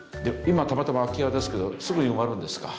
今たまたま空き家ですけどすぐに埋まるんですか？